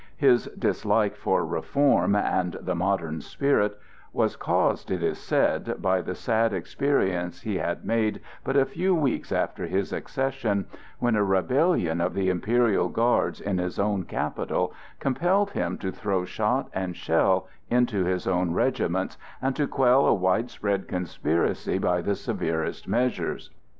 His dislike for reform and "the modern spirit" was caused, it is said, by the sad experience he had made but a few weeks after his accession, when a rebellion of the Imperial Guards in his own capital compelled him to throw shot and shell into his own regiments, and to quell a widespread conspiracy by the severest measures.